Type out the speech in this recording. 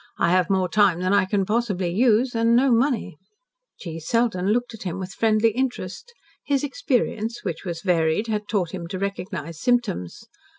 "I have more time than I can possibly use and no money." G. Selden looked at him with friendly interest. His experience, which was varied, had taught him to recognize symptoms.